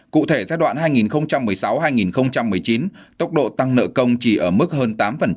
cụ thể giai đoạn hai nghìn một mươi sáu hai nghìn một mươi chín tốc độ tăng nợ công chỉ ở mức hơn tám